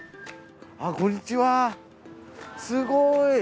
こんにちはすごい！